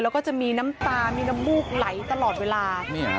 แล้วก็จะมีน้ำตามีน้ำมูกไหลตลอดเวลา